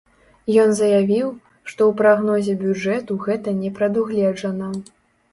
Ён заявіў, што ў прагнозе бюджэту гэта не прадугледжана.